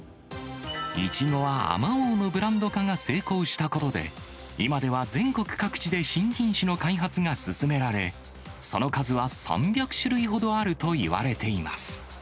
イチゴはあまおうのブランド化が成功したことで、今では全国各地で新品種の開発が進められ、その数は３００種類ほどあるといわれています。